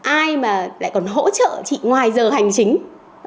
ai mà lại còn hỗ trợ chị ngoài giờ hành chính